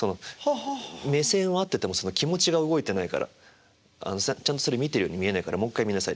「目線は合っててもその気持ちが動いてないからちゃんとそれ見てるように見えないからもう一回見なさい。